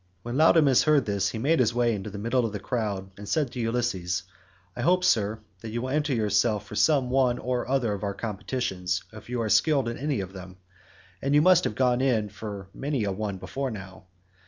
When Laodamas heard this he made his way into the middle of the crowd and said to Ulysses, "I hope, Sir, that you will enter yourself for some one or other of our competitions if you are skilled in any of them—and you must have gone in for many a one before now.